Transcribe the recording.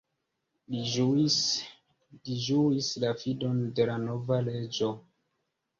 Li ĝuis la fidon de la nova reĝo.